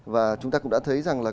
và chúng ta cũng đã thấy rằng là